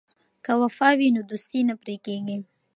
که وفا وي نو دوستي نه پرې کیږي.